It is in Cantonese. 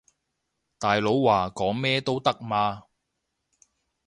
大佬話講咩都得嘛